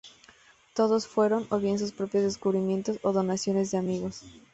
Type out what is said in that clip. Todos fueron, o bien sus propios descubrimientos o donaciones de amigos.